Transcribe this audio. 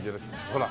ほら。